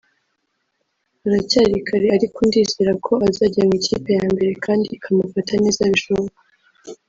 haracyari kare ariko ndizera ko azajya mu ikipe ya mbere kandi ikamufata neza bishoboka